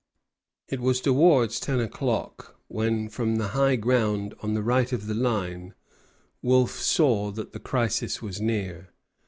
It was towards ten o'clock when, from the high ground on the right of the line, Wolfe saw that the crisis was near.